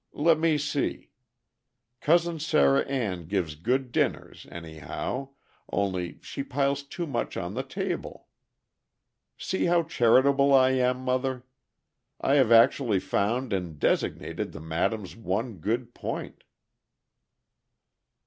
Let me see. Cousin Sarah Ann gives good dinners, anyhow, only she piles too much on the table. See how charitable I am, mother. I have actually found and designated the madam's one good point."